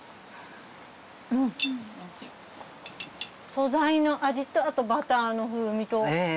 素材の味とバターの風味と。